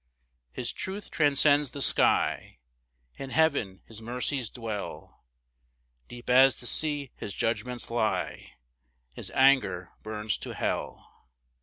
6 His truth transcends the sky; In heaven his mercies dwell; Deep as the sea his judgments lie, His anger burns to hell.